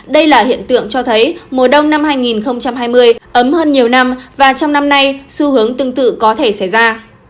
đây là hiện tượng cho thấy mùa đông năm hai nghìn hai mươi ấm hơn nhiều năm và trong năm nay xu hướng tương tự có thể xảy ra